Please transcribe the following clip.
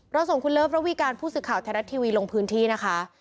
เราส่งคุณเลิฟรับวิการผู้ศึกข่าวแทนรัฐทีวีลงพื้นที่นะคะ